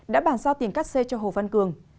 đã bàn giao tiền cắt xe cho hồ văn cường